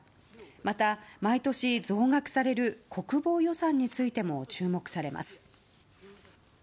また毎年増額される国防予算についても注目されます。